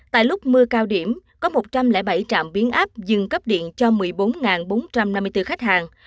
tại lúc mưa cao điểm có một trăm linh bảy trạm biến áp dừng cấp điện cho một mươi bốn bốn trăm năm mươi bốn khách hàng